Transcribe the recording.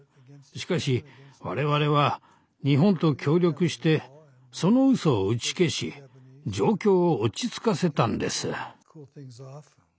しかし我々は日本と協力してそのうそを打ち消し状況を落ち着かせたんです。